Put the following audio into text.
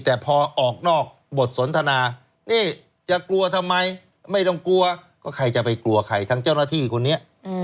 แต่พอออกนอกบทสนทนานี่จะกลัวทำไมไม่ต้องกลัวก็ใครจะไปกลัวใครทั้งเจ้าหน้าที่คนนี้